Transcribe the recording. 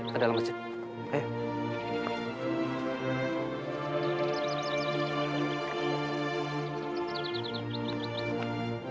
ke dalam kecil ayo